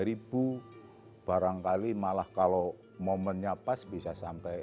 sudah bisa mencapai dua tiga barangkali malah kalau momennya pas bisa sampai lima